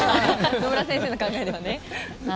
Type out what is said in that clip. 野村先生の考えではね。